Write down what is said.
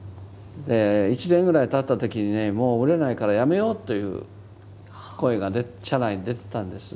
１年ぐらいたった時にねもう売れないからやめようという声が社内に出てたんです。